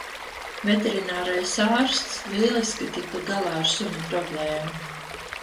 Veterinārais ārsts lieliski tika galā ar suņa problēmu